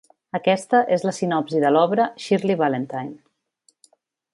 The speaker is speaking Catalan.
Aquesta és la sinopsi de l’obra ‘Shirley Valentine’.